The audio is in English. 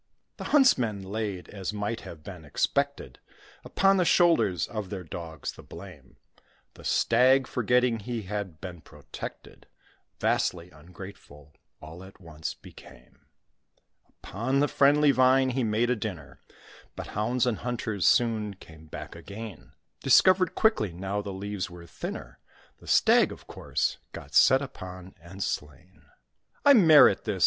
The huntsmen laid, as might have been expected, Upon the shoulders of their dogs the blame, The Stag, forgetting he had been protected, Vastly ungrateful all at once became; Upon the friendly Vine he made a dinner; But hounds and hunters soon came back again. [Illustration: THE STAG AND THE VINE.] Discovered quickly now the leaves were thinner The Stag, of course, got set upon and slain. "I merit this!"